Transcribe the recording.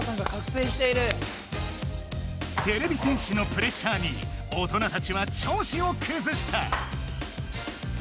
てれび戦士のプレッシャーに大人たちは調子をくずした。